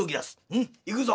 うん行くぞ！